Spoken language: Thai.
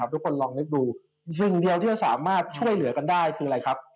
ทุกคนลองนึกดูสิ่งเดียวที่จะสามารถช่วยเหลือกันได้คืออะไรครับ